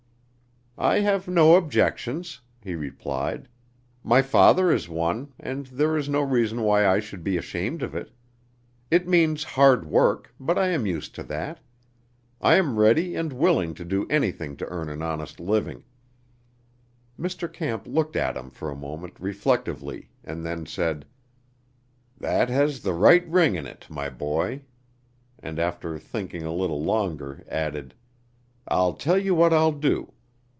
"I have no objections," he replied; "my father is one, and there is no reason why I should be ashamed of it. It means hard work, but I am used to that. I am ready and willing to do anything to earn an honest living." Mr. Camp looked at him for a moment reflectively, and then said: "That has the right ring in it, my boy," and after thinking a little longer added: "I'll tell you what I'll do.